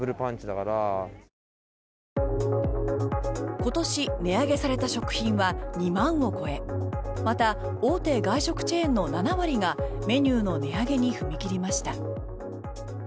今年値上げされた食品は２万を超えまた、大手外食チェーンの７割がメニューの値上げに踏み切りました。